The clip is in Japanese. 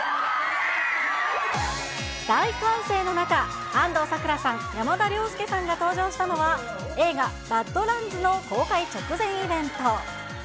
大歓声の中、安藤サクラさん、山田涼介さんが登場したのは、映画、バッド・ランズの公開直前イベント。